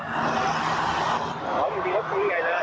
เออผมก็วิ่งออกมาช่วยเลยมาขั้นเลยไม่ให้ตีอีกอ่ะ